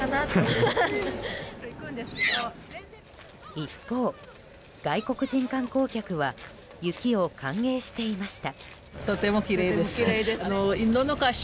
一方、外国人観光客は雪を歓迎していました。